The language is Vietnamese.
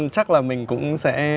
chắc là mình cũng sẽ